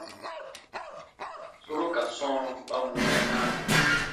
Suru ka sɔ̃ɔ ba mwɛɛna.